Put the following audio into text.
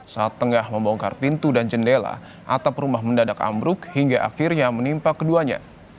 saat tengah membongkar pintu dan jendela atap rumah mendadak ambruk hingga akhirnya menimpa keduanya